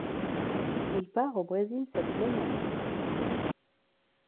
Il part au Brésil cette même année.